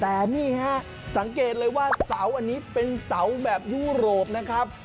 แต่นี่ฮะสังเกตเลยว่าเสาอันนี้เป็นเสาแบบยุโรปนะครับ